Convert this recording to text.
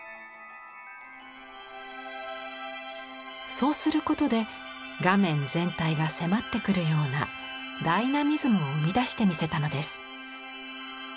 そうすることで画面全体が迫ってくるようなダイナミズムを生み出してみせたのです。